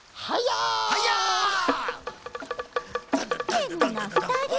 へんなふたり。